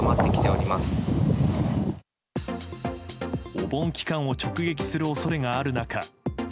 お盆期間を直撃する恐れがある中。